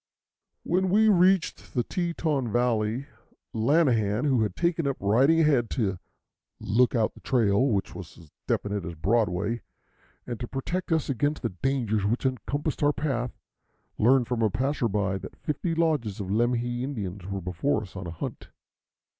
When we reached the Teton Valley, Lanahan, who had taken up riding ahead to "look out the trail," which was as definite as Broadway, and to protect us against the dangers which encompassed our path, learned from a passer by that fifty lodges of Lemhi Indians were before us on a hunt.